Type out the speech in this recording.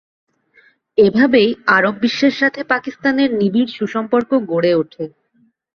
এভাবেই আরব বিশ্বের সাথে পাকিস্তানের নিবিড় সুসম্পর্ক গড়ে ওঠে।